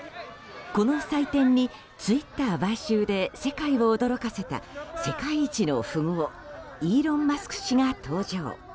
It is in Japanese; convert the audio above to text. この祭典にツイッター買収で世界を驚かせた世界一の富豪イーロン・マスク氏が登場。